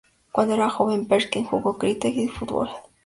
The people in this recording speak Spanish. Cuando era joven, Perkins jugó cricket, fútbol y baloncesto.